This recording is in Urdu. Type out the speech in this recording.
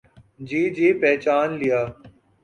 جی جی پہچان لیا۔